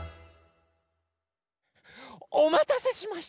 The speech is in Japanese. おまたせしました。